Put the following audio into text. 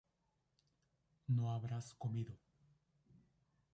No habrás comido